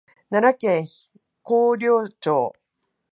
奈良県広陵町